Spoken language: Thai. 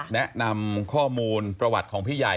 แนะนำข้อมูลประวัติของพี่ใหญ่